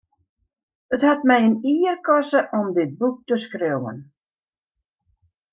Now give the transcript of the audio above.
It hat my in jier koste om dit boek te skriuwen.